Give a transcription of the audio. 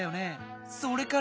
それから。